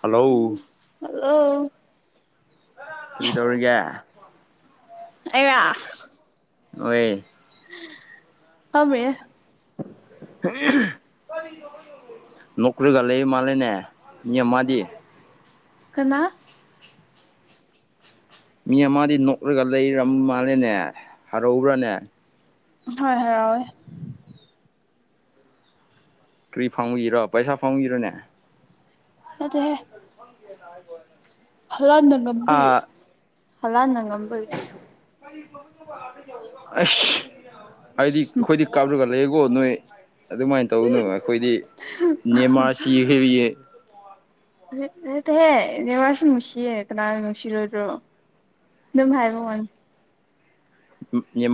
hello hello ꯀꯔꯤ ꯇꯧꯔꯤꯒꯦ ꯑꯩꯔꯣ ꯑꯣꯌꯦ ꯐꯝꯔꯤꯌꯦ ꯅꯣꯛꯔꯥꯒ ꯂꯩ ꯃꯥꯂꯦꯅꯦ ꯌꯥ ꯃꯥꯗꯤ ꯀꯅꯥ ꯃꯤ ꯑꯃꯗꯤ ꯅꯣꯛꯔꯒ ꯂꯩꯔꯝ ꯃꯥꯜꯂꯦꯅꯦ ꯍꯔꯧꯔꯅꯦ ꯍꯣꯏ ꯍꯔꯥꯎꯋꯦ ꯀꯔꯤ ꯐꯪꯒꯤꯔꯣ ꯄꯩꯁꯥ ꯐꯪꯕꯒꯤꯔꯣꯅꯦ ꯅꯠꯇꯦꯍꯦ [unintelligible] ꯍꯂꯅꯒꯝꯕꯤꯔ ꯑꯥ ꯍꯂꯥꯟꯅꯒꯝꯕꯤꯤꯔ ꯑꯁ ꯑꯩꯗꯤ ꯑꯩꯈꯣꯏꯗꯤ ꯀꯥꯞꯂꯒ ꯂꯩꯦꯀꯣ ꯅꯣꯏ ꯑꯗꯨꯃꯥꯏꯅ ꯇꯧꯅꯨ ꯑꯩꯈꯣꯏꯗꯤ ꯅꯦꯃꯥ ꯁꯤꯈꯔꯤ ꯍꯦ ꯋꯥꯁꯨ ꯅꯨꯡꯁꯤꯌꯦ ꯀꯅꯥꯅ ꯅꯨꯡꯁꯤꯔꯣꯏꯗ꯭ꯔꯣ ꯑꯗꯨꯝ ꯍꯥꯏꯕꯉꯣꯟ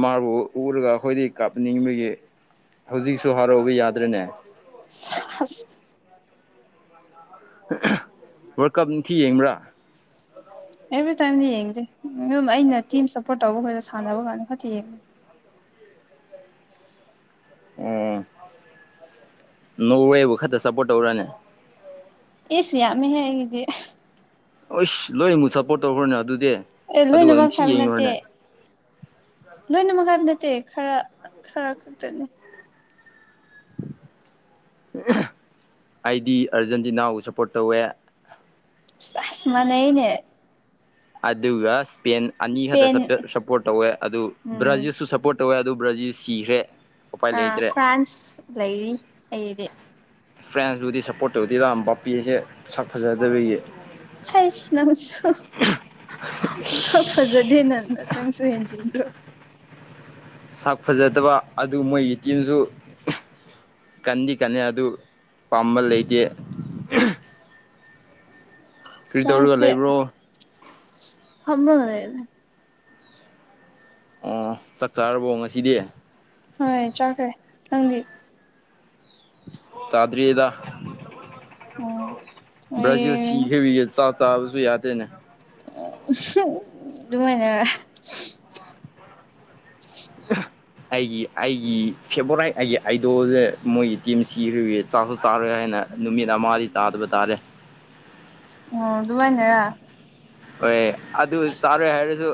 ꯃꯥꯔꯕꯨ ꯎꯔꯒ ꯑꯩꯈꯣꯏꯗꯒꯤ ꯀꯥꯞꯅꯤꯡꯕꯒꯤ ꯍꯧꯖꯤꯛꯁꯨ ꯍꯔꯥꯎꯕ ꯌꯥꯗ꯭ꯔꯦꯅꯦ ꯁꯁ ꯋꯥꯔꯜ ꯀꯞ ꯅꯨꯡꯊꯤ ꯌꯦꯡꯕ꯭ꯔꯥ ꯑꯦꯚ꯭ꯔꯤꯇꯥꯏꯝꯗꯤ ꯌꯦꯡꯗꯦ ꯑꯗꯨꯝ ꯑꯩꯅ ꯇꯤꯝ ꯁꯞꯄꯣꯔꯠ ꯇꯧꯕ ꯈꯣꯏꯗ ꯁꯥꯟꯅꯕ ꯀꯥꯟꯗ ꯈꯛꯇ ꯌꯦꯡꯕ ꯎꯝ ꯅ ꯋꯥꯦ ꯋꯥ ꯈꯥꯔ ꯁꯄꯣꯠꯧꯔꯅꯦ ꯌꯦꯁꯨꯃꯤ ꯍꯦꯒꯤꯗꯤ ꯍꯁ ꯂꯣꯏ ꯑꯃꯨꯛ ꯁꯞꯄꯣꯔꯠ ꯇꯧꯈ꯭ꯔꯅꯦ ꯑꯗꯨꯗꯤ ꯑꯦ ꯑꯗꯨꯒ ꯑꯗꯨꯝ ꯂꯣꯏꯅꯃꯛ ꯊꯤ ꯌꯦꯡꯉꯨꯔꯅꯦ ꯂꯣꯏꯅꯃꯛꯥꯏꯕ ꯅꯠꯇꯦ ꯈꯔ ꯈꯔ ꯈꯛꯇꯅꯦ [unintelligible] ꯑꯩꯗꯤ ꯑꯔꯖꯦꯟꯇꯤꯅꯥꯕꯨ ꯁꯞꯄꯣꯔꯠ ꯇꯧꯋꯦ ꯇꯥꯁ ꯃꯅꯅꯦ ꯑꯗꯨꯒ ꯏꯁꯄꯦꯟ ꯑꯅꯤ ꯈꯛꯇ ꯏꯁꯄꯦꯟ ꯁꯞꯄꯣꯔꯠ ꯇꯧꯋꯦ ꯑꯗꯨ ꯎꯝ ꯕ꯭ꯔꯥꯖꯤꯜꯁꯨ ꯁꯞꯄꯣꯔꯠ ꯇꯧꯋꯦ ꯑꯗꯨ ꯕ꯭ꯔꯥꯖꯤꯜ ꯁꯤꯈ꯭ꯔꯦ ꯎꯄꯥꯏ ꯑ ꯂꯩꯇ꯭ꯔꯦ ꯐ꯭ꯔꯥꯟꯁ ꯂ ꯂꯩꯔꯤ ꯑꯩꯗꯤ ꯐ꯭ꯔꯦꯟꯁꯄꯨꯗꯤ ꯁꯞꯄꯣꯔꯠ ꯇꯧꯗꯦꯗꯥ ꯕꯥꯞꯄꯤꯁꯦ ꯁꯛ ꯐꯖꯗꯕꯒꯤ ꯍꯁ ꯅꯪꯁꯨ ꯁꯣ ꯐꯖꯗꯦ ꯅꯪ ꯠꯇꯁꯨꯦꯟꯖ꯭ꯔꯣ ꯁꯛ ꯐꯖꯗꯕ ꯑꯗꯨ ꯃꯣꯏꯒꯤ ꯇꯤꯝꯁꯨ ꯀꯟꯗꯤ ꯀꯟꯅ ꯑꯗꯨ ꯄꯥꯝꯕ ꯂꯩꯇꯦ ꯀꯔꯤ ꯇꯧꯔꯒ ꯂꯩꯕ꯭ꯔꯣ ꯐꯅ ꯂꯩꯅꯦ ꯑꯣ ꯆꯥꯛ ꯆꯥꯔꯕꯣ ꯉꯁꯤꯗꯤ ꯍꯣꯏ ꯆꯥꯈ꯭ꯔꯦ ꯅꯪꯒꯤ ꯆꯥꯗꯔꯤꯗ ꯑꯣ ꯕ꯭ꯔꯥꯖꯤꯜ ꯑꯩ ꯁꯤꯈꯤꯕꯒ ꯆꯥꯛ ꯆꯥꯕꯁꯨ ꯌꯥꯗꯦꯅꯦ ꯑꯗꯨꯃꯥꯏꯅꯔ ꯎ ꯑꯩꯒꯤ ꯑꯩꯒꯤ ꯐꯦꯚꯣꯔꯥꯏꯠ ꯑꯩꯒꯤ ꯑꯥꯏꯗꯣꯁꯦ ꯃꯣꯏꯒꯤ ꯇꯤꯝ ꯁꯤꯒꯤ ꯆꯥꯔꯜ ꯆꯥꯔꯣꯏ ꯍꯥꯏꯅ ꯅꯨꯃꯤꯠ ꯑꯃꯗꯤꯗꯤ ꯆꯥꯗꯕ ꯇꯥꯔꯦ ꯑꯣ ꯑꯗꯨꯃꯥꯏꯅꯦꯔ ꯍꯣꯏ ꯑꯗꯨ ꯆꯥꯔꯣꯏ ꯍꯥꯏꯔꯁꯨ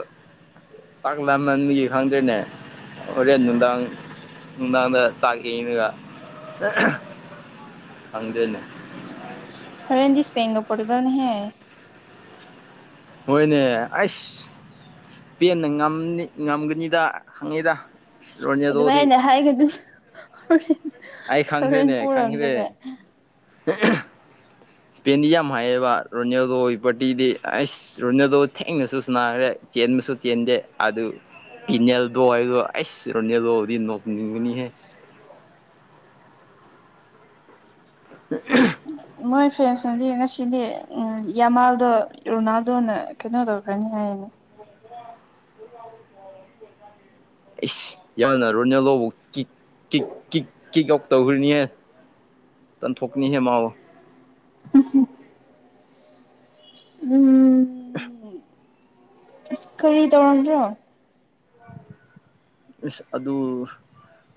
ꯆꯥꯛ ꯂꯃꯟꯒꯤ ꯈꯪꯗꯦꯅꯦ ꯑꯣꯔ ꯗꯥꯥꯡ ꯗꯥꯥꯡꯗ ꯆꯥꯛ ꯌꯦꯅꯒ ꯑꯪꯗꯅꯦ ꯍꯔꯦꯟ ꯏꯁꯄꯦꯟ ꯀ ꯄꯣꯣꯔꯇꯨꯒꯜ ꯍ ꯍꯣꯏꯅꯦ ꯑꯁ ꯄꯦꯟꯅ ꯉꯝꯒꯅꯤꯗ ꯈꯪꯉꯤꯗ ꯔꯣꯅꯦꯜꯗꯣꯗꯤ ꯑꯗꯨꯃꯥꯏꯅ ꯍꯥꯏꯒꯅ ꯑꯩ ꯦꯟ ꯄꯔꯝꯗꯅꯦ ꯍ ꯏꯁꯄꯦꯟꯗꯤ ꯌꯥꯝ ꯍꯥꯏꯌꯦꯕ ꯔꯣꯅꯦꯜꯗꯣꯒꯤ ꯄꯥꯔꯇꯤꯗꯤ ꯑꯩꯁ ꯔꯣꯅꯦꯜꯗꯣ ꯊꯦꯡꯅꯁꯨ ꯁꯅꯥꯈ꯭ꯔꯦ ꯆꯦꯦꯟꯃꯤꯁꯨꯨ ꯆꯦꯖꯦ ꯑ ꯑꯗꯨ ꯄꯤꯅꯦꯗꯣ ꯑꯁ ꯔꯅꯦ ꯑꯗꯨꯗꯤ ꯅꯅꯤꯡꯒꯅꯤ ꯍꯥꯏ [unintelligible] ꯅꯣꯏ ꯐ꯭ꯔꯦꯟꯁꯅꯗꯤ ꯉꯁꯤꯗꯤ ꯌꯥꯃꯥꯜꯗꯣ ꯔꯣꯅꯥꯜꯗꯣꯅ ꯀꯩꯅꯣ ꯇꯧꯈ꯭ꯔꯅꯤ ꯍꯥꯏ ꯍ ꯏꯁꯁ ꯌꯥꯝꯅ ꯔꯣꯅꯥꯜꯗꯣꯕꯨ ꯀꯤꯛ ꯀꯤꯛ ꯀꯤꯛ ꯀꯤꯛ ꯀꯛ ꯇꯧꯈ꯭ꯔꯤꯅꯦꯍ ꯇꯟꯊꯣꯛꯅꯤ ꯍꯦ ꯃꯥꯎ ꯎꯝ ꯀꯔꯤ ꯇꯧꯔꯝꯗ꯭ꯔꯣ ꯁ ꯑꯗꯨ ꯑꯗꯨ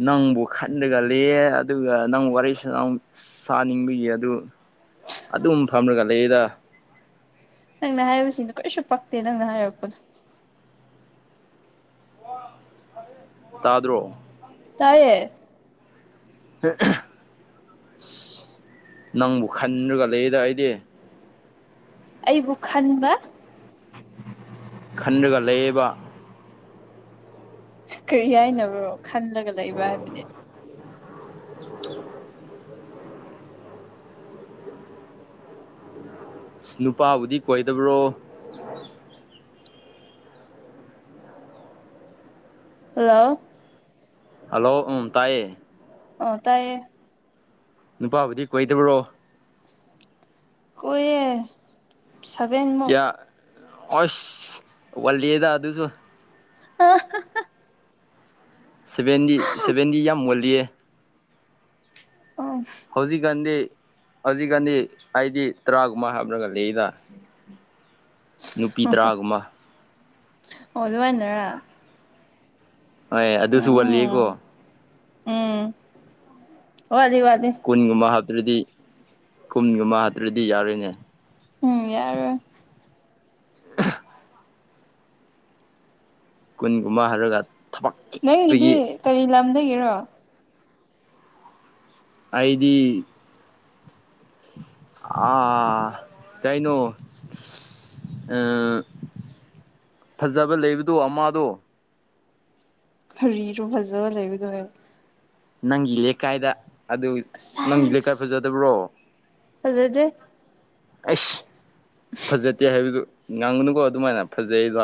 ꯅꯪꯕꯨ ꯈꯟꯂꯒ ꯂ ꯑꯗꯨꯒ ꯅꯪ ꯋꯥꯔꯤ ꯅꯪ ꯁꯥꯅꯤꯡꯕꯒꯤ ꯑꯗꯨ ꯑꯗꯨꯝ ꯐꯝꯔꯒ ꯂꯩꯗ ꯅꯪꯅ ꯍꯥꯏꯔꯤꯕꯁꯤꯡꯅ ꯀꯩꯁꯨ ꯄꯛꯇꯦ ꯅꯪꯅ ꯍꯥꯏꯔꯛꯄꯗꯣ ꯇꯥꯗ꯭ꯔꯣ ꯇꯥꯏꯌꯦ ꯑ ꯅꯪꯕꯨ ꯈꯟꯒ ꯂꯩꯗ ꯑꯩꯗꯤ ꯑꯩꯕꯨ ꯈꯟꯕ ꯈꯟꯂꯒ ꯂꯩꯌꯦꯕ ꯀꯔꯤ ꯍꯥꯏꯅꯕꯣ ꯈꯜꯂꯒ ꯂꯩꯕ ꯍꯥꯏꯕꯗꯤ ꯅꯨꯄꯥꯕꯨꯗꯤ ꯀꯣꯏꯗꯕ꯭ꯔꯣ ꯍꯜꯂꯣ ꯍꯜꯂꯣ ꯎ ꯇꯥꯏꯌꯦ ꯑꯣ ꯇꯥꯏꯌꯦ ꯅꯨꯄꯥꯕꯨꯗꯤ ꯀꯣꯏꯗꯕ꯭ꯔꯣ ꯑꯣꯏꯔꯦ ꯀꯁ ꯋꯥꯗ ꯑꯗꯨꯁꯨ ꯑ ꯁꯕꯦꯟꯗꯤ ꯁꯦꯚꯦꯟꯗꯤ ꯌꯥꯝ ꯃꯣꯜꯂꯤꯌꯦ ꯎꯝ ꯍꯧꯖꯤꯛꯀꯥꯟꯗꯦ ꯍꯧꯖꯤꯛꯀꯥꯟꯗꯤ ꯑꯩꯗꯤ ꯇꯔꯥꯒꯨꯝꯕ ꯍꯥꯏꯕ꯭ꯔꯒꯂꯏꯗ ꯅꯨꯄꯤ ꯇꯔꯥꯒꯨꯝꯕ ꯑꯣ ꯂ ꯍꯥꯏꯥꯏꯅꯔꯥ ꯍꯣꯏ ꯑꯗꯨꯁꯨ ꯋꯥꯜꯂꯤꯀꯣ ꯎꯝ ꯋꯥ ꯋꯥꯗꯤ ꯍꯥꯇ꯭ꯔꯗꯤ ꯀꯨꯟꯒꯨꯝꯕ ꯍꯥꯇ꯭ꯔꯗꯤ ꯌꯥꯔꯣꯏꯅꯦ ꯎꯝ ꯌꯥꯔ ꯀꯨꯟ ꯀꯨꯃ ꯍꯥꯏꯔꯒ ꯊꯕꯛ ꯅꯪꯒꯤꯗꯤ ꯆꯤꯛꯄꯒꯤ ꯀꯔꯤ ꯂꯝꯗꯒꯤꯔꯣ ꯑꯩꯗꯤ ꯑꯥ ꯇꯥꯏꯩꯅꯣ ꯐꯖꯕ ꯂꯩꯕꯗꯣ ꯑꯃꯗꯣ ꯀꯔꯤꯁꯨꯣ ꯐꯖꯕ ꯂꯩꯕꯗꯣꯋꯦ ꯅꯪꯒꯤ ꯂꯩꯀꯥꯏꯗ ꯑꯗꯨ ꯅꯪꯒꯤ ꯂꯩꯀꯥꯏ ꯐꯖꯗꯕ꯭ꯔꯣ ꯑꯗꯨꯗꯗꯤꯦ ꯑꯩꯁ ꯐꯖꯗꯦ ꯍꯥꯏꯕꯗꯨ ꯉꯥꯡꯒꯅꯨꯀꯣ ꯑꯗꯨꯃꯥꯏꯅ ꯐꯖꯩꯗꯣ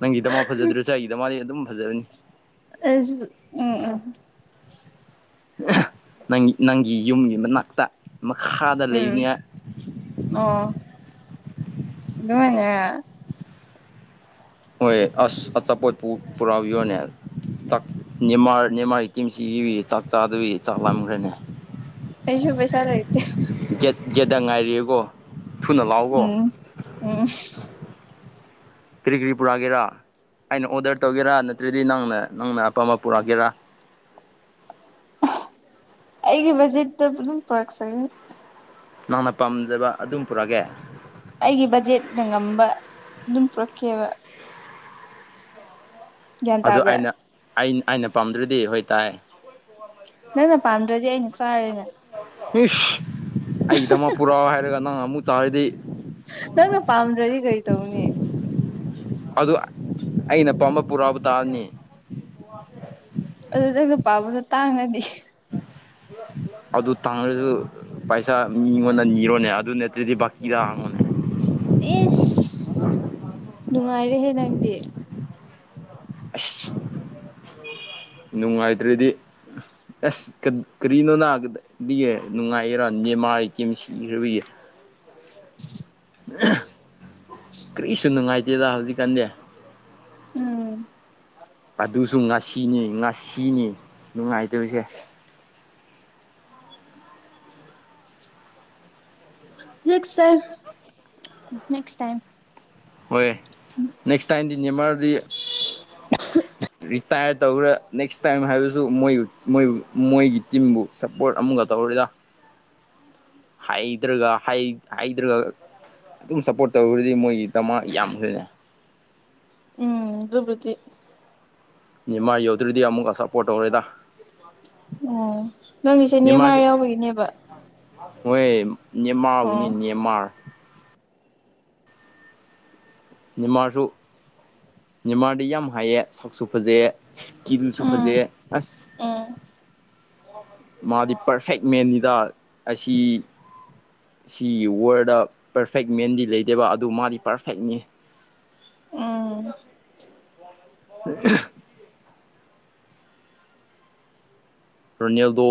ꯅꯪꯒꯤꯗꯃ ꯐꯖꯗ꯭ꯔꯣꯆꯥꯏꯒꯤꯗ ꯃꯥꯗꯤ ꯑꯗꯨꯝ ꯐꯖꯕꯅꯤ ꯑꯩꯁꯨ ꯎꯝ ꯎꯝ ꯅꯪ ꯅꯪꯒꯤ ꯌꯨꯝꯒꯤ ꯃꯅꯥꯛꯇ ꯃꯈꯥꯗ ꯎꯝ ꯂꯩꯔꯤꯉꯦ ꯑꯗꯨꯃꯅꯦ ꯍꯣꯏ ꯑꯁ ꯑꯆꯥꯄꯣꯠ ꯄꯨꯔꯥꯎꯕꯤꯌꯣꯅꯦꯅꯤꯃꯥꯔꯤ ꯇꯤꯝꯁꯤꯒꯤ ꯆꯥꯛ ꯆꯥꯗꯕꯤ ꯆꯥꯛꯂꯝꯈ꯭ꯔꯦꯅꯦ ꯑꯩꯁꯨꯕꯩ ꯆꯂ ꯂꯩꯦ ꯒꯦꯗ ꯉꯥꯏꯔꯤꯀꯣ ꯎꯝ ꯎꯝ ꯀꯔꯤ ꯀ꯭ꯔꯤꯄꯨꯔꯥꯒꯦꯔꯥ ꯑꯩꯅ ꯑꯣꯗꯔ ꯇꯧꯒꯦꯔꯥ ꯅꯠꯇ꯭ꯔꯗꯤ ꯅꯪꯅ ꯅꯪꯅ ꯑꯄꯥꯝꯕ ꯄꯨꯔꯛꯀꯦꯔꯥ ꯑꯩꯒꯤ ꯕꯖꯦꯠꯇ ꯑꯗꯨꯝ ꯄꯔꯛ ꯆꯪꯉꯅꯤ ꯅꯪꯅ ꯄꯥꯝꯖꯕ ꯑꯗꯨꯝ ꯄꯨꯔꯛꯑꯒꯦ ꯑꯩꯒꯤ ꯕꯖꯦꯠꯅ ꯉꯝꯕ ꯑꯗꯨꯝ ꯄꯨꯔꯛꯀꯦꯕ ꯌꯦꯟ ꯇꯥꯕ꯭ꯔꯦ ꯑ ꯑꯩꯅ ꯄꯥꯝꯗ꯭ꯔꯗꯤ ꯍꯣꯏ ꯇꯥꯏ ꯅꯪ ꯅ ꯄꯥꯝꯗ꯭ꯔꯗꯤ ꯑꯩꯅ ꯆꯥꯔꯦꯅꯦ ꯏꯁꯁ ꯑꯩꯒꯤꯗꯃꯛ ꯄꯨꯔꯛꯑꯣ ꯍꯥꯏꯔꯒ ꯅꯪ ꯑꯃꯨꯛ ꯆꯥꯔꯤꯗꯤ ꯅꯪꯅ ꯄꯥꯝꯗ꯭ꯔꯗꯤ ꯀꯔꯤ ꯇꯧꯅꯤ ꯑꯗꯨ ꯑꯩꯅ ꯄꯥꯝꯕ ꯄꯨꯔꯥꯎꯕ ꯇꯥꯑꯅꯤ ꯄꯥꯕꯗ ꯇꯥꯡꯅꯗꯤ ꯎ ꯑꯗꯨ ꯇꯥꯡꯉ꯭ꯔꯁꯨ ꯄꯩꯁꯥ ꯃꯤꯉꯣꯟꯗ ꯅꯤꯔꯣꯅꯦ ꯑꯗꯨ ꯅꯠꯇ꯭ꯔꯗꯤ ꯕꯀꯤꯗ ꯍꯥꯡꯉꯣꯅꯦ ꯑꯦꯁ ꯅꯨꯡꯉꯥꯏꯔꯦꯍꯦ ꯅꯪꯗꯤ ꯑꯁ ꯅꯨꯡꯉꯥꯏꯇ꯭ꯔꯗꯤ ꯑꯁ ꯀꯔꯤꯅꯣ ꯅꯥꯒꯗꯤꯒ ꯅꯨꯡꯉꯥꯏꯔꯥꯅꯦ ꯃꯥ ꯀꯦꯝ ꯁꯤꯈ꯭ꯔꯕꯒ ꯀꯔꯤꯁꯨ ꯅꯨꯡꯉꯥꯏꯇꯦꯗ ꯍꯧꯖꯤꯛꯀꯥꯟꯗꯤ ꯎꯝ ꯑꯗꯨꯁꯨ ꯉꯥꯁꯤꯅꯤ ꯉꯥꯁꯤꯅꯤ ꯅꯨꯡꯉꯥꯏꯇꯣꯏꯁꯦ ꯍꯥꯎ ꯥꯏ ꯍꯣꯏ ꯅꯦꯛꯁ ꯇꯥꯏꯝꯗꯤꯅꯦ ꯃꯔꯔꯗꯤ ꯔꯤꯇꯥꯌꯔ ꯇꯧꯈ꯭ꯔꯦ ꯅꯦꯛꯁ ꯇꯥꯏꯝ ꯍꯥꯏꯕꯁꯨ ꯃꯣꯏꯣꯏ ꯃꯣꯏꯒꯤ ꯇꯤꯝꯕꯨ ꯁꯞꯄꯣꯔꯠ ꯑꯃꯒ ꯇꯧꯔꯦꯔ [unintelligible] ꯍꯥꯏꯗ꯭ꯔꯒ ꯍꯥꯏꯗ꯭ꯔꯒ ꯑꯗꯨꯝ ꯁꯞꯄꯣꯔꯠ ꯇꯧ꯭ꯔꯗꯤ ꯃꯣꯏꯒꯤ ꯇꯃ ꯌꯥꯝꯍꯦ ꯎꯝ ꯗꯨꯕꯗꯤ ꯏꯃꯥ ꯌꯧꯗ꯭ꯔꯗꯤ ꯑꯃꯨꯛꯀ ꯑꯁꯥꯞꯄꯣꯔꯠ ꯇꯧꯔꯦꯗ ꯑꯣ ꯅꯪꯒꯤꯁꯦ ꯅꯦꯃꯥꯔ ꯌꯥꯎꯕꯒꯤꯅꯦꯕ ꯍꯣꯏ ꯅꯦꯃꯥꯔꯕꯨꯅꯤ ꯑꯣ ꯅꯃꯥꯔ ꯅꯤꯃꯥꯔꯁꯨ ꯅꯤꯃꯥꯔꯗꯤ ꯌꯥꯝ ꯍꯥꯏꯑ ꯁꯛꯁꯨ ꯐꯖꯩꯑ ꯁ꯭ꯀꯤꯜꯁꯨ ꯐꯖꯦ ꯎꯝ ꯑꯁ ꯎꯝ ꯃꯥꯗꯤ ꯄꯔꯐꯦꯛꯃꯦꯟꯅꯤꯗ ꯑꯁꯤ ꯁꯤꯒꯤ ꯋꯥꯔꯜꯗ ꯄꯔꯐꯦꯛ ꯃꯦꯟꯗꯤ ꯂꯩꯗꯦꯕ ꯑꯗꯨ ꯃꯥꯗꯤ ꯄꯔꯐꯦꯛꯅꯤ ꯑ ꯎꯝ [unintelligible] ꯔꯣꯅꯦꯜꯗꯣ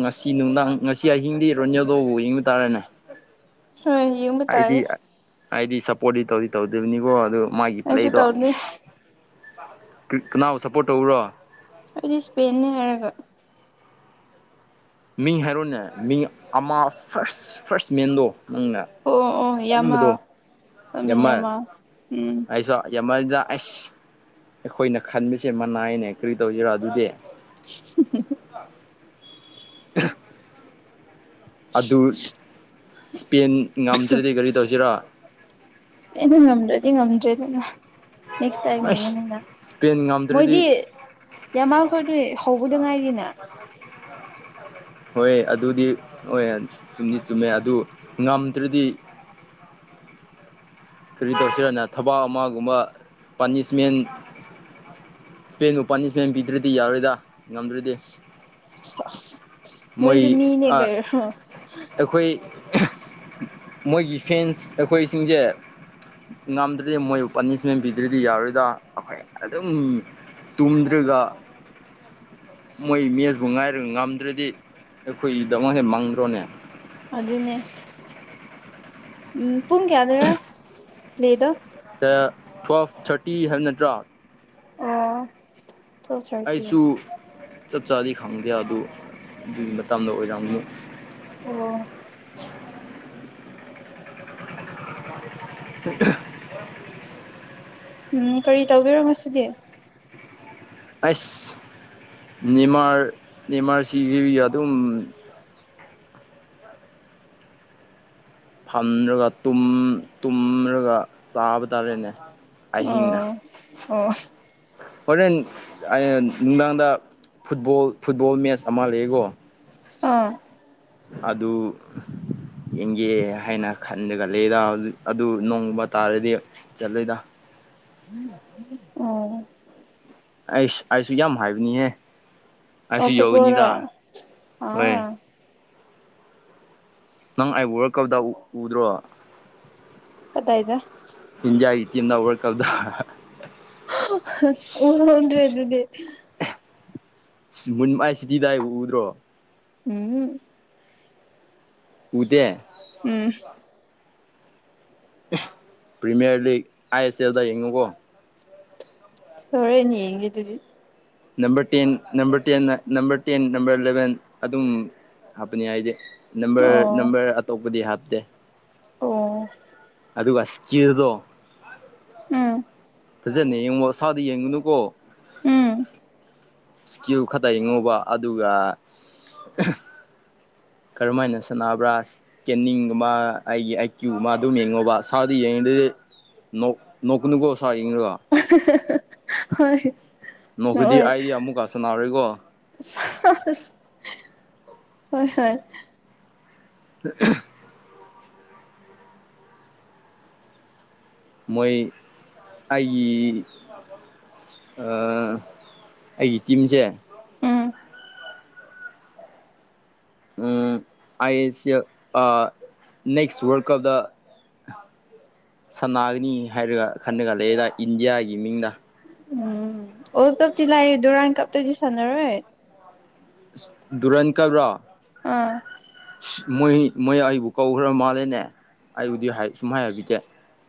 ꯉꯁꯤ ꯅꯨꯡꯗꯥꯡ ꯉꯁꯤ ꯑꯍꯤꯡꯗꯤ ꯔꯣꯅꯦꯜꯗꯣꯕꯨ ꯌꯦꯡꯕ ꯇꯥꯔꯦꯅꯦ ꯑ ꯌꯦꯕꯨ ꯇꯥꯔꯦ ꯍꯥꯏꯗꯤ ꯁꯞꯄꯣꯔꯠꯇꯤ ꯇꯧꯗꯤ ꯇꯧꯗꯕꯅꯤꯀꯣ ꯑꯗꯨ ꯃꯥꯒꯤ ꯑꯩꯁꯨ ꯄ꯭ꯂꯦꯗꯣ ꯇꯧꯅꯤ ꯀꯅꯥꯕꯨ ꯁꯞꯄꯣꯔꯠ ꯇꯧꯧꯕꯔꯣ ꯑꯩ ꯁꯄꯦꯩꯅ ꯀꯅꯒ ꯃꯤ ꯍꯥꯏꯔꯣꯅꯦ ꯃꯤ ꯑꯃ ꯐꯥꯔꯁ ꯐꯥꯔꯁ ꯃꯦꯟꯗꯣ ꯅꯪꯅ ꯑꯣ ꯑꯣ ꯑꯣ ꯑꯄꯟꯝꯕꯗꯣ ꯌꯥꯃꯥꯜ ꯂꯥꯃꯤꯟ ꯌꯥꯝꯃꯜ ꯌꯥꯃꯥꯜ ꯎꯝ ꯑꯩꯁꯨ ꯃꯗ ꯑꯁ ꯑꯩꯈꯣꯏꯅ ꯈꯟꯕꯁꯦ ꯃꯅꯥꯏꯅꯦ ꯀꯔꯤ ꯇꯧꯁꯤꯔꯣ ꯑꯗꯨꯗꯤ [unintelligible] [unintelligible] ꯑꯗꯨ ꯏꯁꯄꯦꯟ ꯉꯝꯗ꯭ꯔꯗꯤ ꯀꯔꯤ ꯇꯧꯁꯤꯔꯥ ꯑꯩꯅ ꯉꯝꯗ꯭ꯔꯗꯤ ꯉꯝꯗ꯭ꯔꯦꯗꯅ ꯅꯦꯛ ꯇꯥꯏꯝ ꯑꯁ ꯌꯦꯉꯅꯤꯗ ꯏꯁꯄꯦꯟ ꯃꯣꯏꯗꯤ ꯉꯝꯗ꯭ꯔꯗꯤ ꯌꯥꯃꯜ ꯀꯗ ꯍꯧꯕꯗ ꯉꯥꯏꯔꯤꯅ ꯍꯣꯏ ꯑꯗꯨꯗꯤ ꯍꯣꯏ ꯆꯨꯝꯗꯤ ꯆꯨꯝꯃꯦ ꯑꯗꯨ ꯉꯝꯗ꯭ꯔꯗꯤ ꯀꯔꯤ ꯇꯧꯁꯤꯔꯅ ꯊꯕꯛ ꯑꯃꯒꯨꯝꯕ ꯄꯥꯅꯤꯁꯃꯦꯟ ꯏꯁꯄꯦꯟ ꯅꯨꯄꯥꯜꯅꯤ ꯏꯁꯄꯦꯟ ꯄꯤꯗ꯭ꯔꯗꯤ ꯌꯥꯔꯣꯏꯗ ꯉꯝꯗ꯭ꯔꯗꯤ ꯃꯣꯏ ꯃꯣꯏꯁꯨ ꯃꯤꯅꯦ ꯀꯩꯣ ꯑꯩꯈꯣꯏ ꯃꯣꯏꯒꯤ ꯐꯦꯟꯁ ꯑꯩꯈꯣꯏꯁꯤꯡꯁꯦ ꯉꯝꯗ꯭ꯔꯗꯤ ꯃꯣꯏꯕꯨ ꯄꯥꯅꯤꯁꯃꯦꯟ ꯄꯤꯗ꯭ꯔꯗꯤ ꯌꯥꯔꯣꯏꯗꯥ ꯑꯩꯈꯣꯏ ꯑꯗꯨꯝ ꯇꯨꯝꯗ꯭ꯔꯒ ꯃꯣꯏ ꯃꯦꯁꯄꯨ ꯉꯥꯏꯔꯒ ꯉꯝꯗ꯭ꯔꯗꯤ ꯑꯩꯈꯣꯏꯒꯤꯗꯃꯛꯁꯦ ꯃꯪꯗ꯭ꯔꯣꯅꯦ ꯑꯗꯨꯗꯅꯦꯦ ꯎꯝ ꯄꯨꯟ ꯀꯌꯥꯗꯔ ꯂꯩꯗꯣ ꯇ꯭ꯋꯦꯜꯐ ꯊꯥꯔꯇꯤ ꯍꯥꯏꯕ ꯅꯠꯇ꯭ꯔꯥ ꯑꯣ ꯇꯨꯋꯦꯜꯞ ꯊꯥꯔꯇꯤ ꯑꯩꯁꯨ ꯆꯞ ꯆꯥꯗꯤ ꯈꯪꯗꯦ ꯑꯗꯨ ꯑꯗꯨꯒꯤ ꯃꯇꯗ ꯑꯣꯏꯔꯝꯨ ꯑꯣ [unintelligible] ꯎꯝ ꯀꯔꯤ ꯇꯧꯕꯤꯔꯣ ꯉꯁꯤꯗꯤ ꯑꯁ ꯅꯅꯤꯃꯥꯔ ꯅꯤꯃꯥꯔꯁꯤꯒꯤ ꯑꯗꯨꯝ ꯐꯝꯔꯒ ꯇꯨꯝꯔꯒ ꯆꯥꯕ ꯇꯥꯔꯦꯅꯦ ꯑꯍꯤꯡꯅ ꯑꯣ ꯑꯣ ꯍꯣꯔꯦꯟ ꯅꯨꯡꯗꯥꯡꯗ ꯐꯨꯠꯕꯣꯜ ꯐꯨꯠꯕꯣꯜ ꯃꯦꯠꯆ ꯑꯃ ꯂꯩꯀꯣ ꯑꯥ ꯑꯗꯨ ꯌꯦꯡꯒꯦ ꯍꯥꯏꯅ ꯈꯟ ꯈꯂꯦꯗ ꯑꯗꯨ ꯅꯣꯡꯃ ꯇꯥꯔꯗꯤ ꯆꯠꯂꯦꯗ ꯑꯣ ꯑꯩꯁ ꯑꯩꯁꯨ ꯌꯥꯝ ꯍꯥꯏꯕꯅꯤꯍꯦ ꯑꯩꯁꯨ ꯑꯣ ꯌꯧꯅꯤꯗ ꯐꯨꯠꯕꯣꯜꯔꯣ ꯍꯣꯏ ꯑꯥ ꯅꯪ ꯑꯩꯕꯨꯔ ꯀꯧꯗꯥ ꯎꯗ꯭ꯔꯣ ꯀꯠꯇꯥꯏꯗ ꯍꯖꯦꯥꯏꯇ ꯏꯗ ꯍ ꯀꯥꯎꯗ ꯎꯟ꯭ꯔꯔꯤ ꯑꯗꯨꯗꯤ ꯃꯨꯟꯃꯥꯏ ꯁꯤꯇꯤꯗꯥꯏ ꯎꯗ꯭ꯔꯣ ꯎꯝ ꯎꯗꯦ ꯎꯝ ꯄ꯭ꯔꯤꯃꯤꯌꯔ ꯂꯤꯒ ꯑꯥꯏ ꯑꯦꯁ ꯑꯦꯜꯗ ꯌꯦꯡꯉꯨꯀꯣ ꯍꯦꯅꯤ ꯌꯦꯌꯦꯒꯦ ꯑꯗꯨꯗꯤ ꯅꯝꯕꯔ ꯇꯦꯟ ꯅꯝꯕꯔ ꯇ ꯅꯝꯕꯔ ꯇꯦꯟ ꯅꯝꯕꯔ ꯏꯂꯚꯦꯟ ꯑꯗꯨꯝ ꯍꯥꯞꯄꯅꯤ ꯍꯥꯏꯗꯤ ꯅꯝꯕꯔ ꯑꯣ ꯅꯝꯕꯔ ꯑꯇꯣꯞꯄꯗꯤ ꯍꯥꯞꯇꯦ ꯑꯣ ꯑꯗꯨ ꯋꯥꯁꯗꯣ ꯎꯝ ꯊꯖꯠꯅ ꯌꯦꯡꯉꯣ ꯏꯁꯥꯗ ꯌꯦꯡꯉꯨꯅꯨꯀꯣ ꯎꯝ ꯏꯁꯀꯤ꯭ꯌꯨ ꯈꯛꯇ ꯍꯉꯧꯕ ꯑꯗꯨꯒ ꯀꯔꯝꯍ ꯍꯥꯏꯅ ꯁꯥꯟꯅꯕ꯭ꯔꯥ ꯏꯁꯀꯦꯟꯅꯤꯡꯒꯨꯝ ꯃꯥ ꯑꯩꯒꯤ ꯑꯥꯏ ꯀ꯭ꯌꯨ ꯃꯥ ꯑꯗꯨꯝ ꯌꯦꯡꯉꯣꯕ ꯁꯥꯗ ꯌꯦꯡꯉꯗ ꯅꯣꯅꯤꯀꯣ ꯁꯥꯥ ꯌꯦꯣ ꯍꯣꯏ ꯅꯣꯛꯈ꯭ꯔꯗꯤ ꯅꯣꯏ ꯑꯩꯗꯤ ꯑꯃꯨꯛꯀ ꯁꯥꯟꯅꯔꯣꯏꯀꯣ ꯍꯣꯏ ꯍꯣꯏ ꯑ ꯃꯣꯏ ꯑꯩꯒꯤ ꯑꯩꯒꯤ ꯇꯤꯝꯁꯦ ꯎꯝ ꯎꯝ ꯑ ꯑꯦꯁ ꯅꯦꯛꯦꯛꯁ ꯋꯥꯔꯜꯗ ꯀꯞꯗ ꯁꯅꯥꯒꯅꯤ ꯍꯥꯏꯔꯒ ꯈꯟꯅꯒ ꯂꯩꯗ ꯏꯟꯗꯤꯌꯥꯒꯤ ꯃꯤꯡꯗ ꯎꯝ ꯋꯥꯔꯜ ꯀꯞꯗꯤ ꯂꯥꯏꯔꯤꯦ ꯗꯗꯨ ꯔꯥꯎꯟ ꯀꯞꯇꯗꯤ ꯁꯥꯟꯅꯔꯣꯏ ꯗꯨꯨꯔꯟ ꯀꯕ꯭ꯔꯣ ꯑꯥ ꯃꯣꯏ ꯃꯣꯏ ꯑꯩꯕꯨ ꯀꯧꯈ꯭ꯔ ꯃꯥꯜꯂꯦꯅꯦ ꯑꯩꯕꯨꯗꯤ ꯁꯨꯝ ꯍꯥꯏ ꯍꯥꯏꯕꯤꯒꯦ